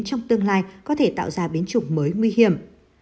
trong tương lai có thể tạo ra biến chủng mới nguy hiểm